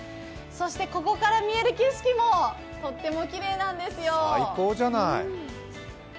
ここから見える景色もとってもきれいなんですよ。